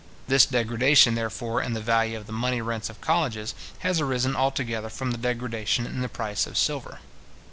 This degradation, therefore, in the value of the money rents of colleges, has arisen altogether from the degradation in the price of silver.